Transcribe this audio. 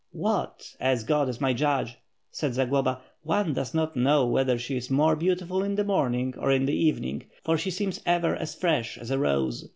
"What! As God is my judge," said Zagloba, "one does not know whether she is more beautiful in the morning or in the evening, for she seems ever as fresh as a rose.